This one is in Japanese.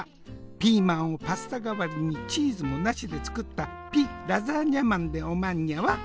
ピーマンをパスタ代わりにチーズもなしで作ったピ・ラザーニャ・マンでおまんにゃわ」。